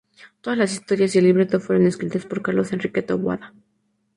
Todas las historias y el Libreto fueron escritas por Carlos Enrique Taboada.